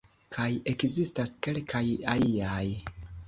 Kaj ekzistas kelkaj aliaj.